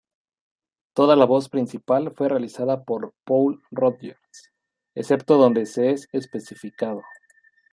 Toda la voz principal fue realizada por Paul Rodgers, excepto donde se es especificado.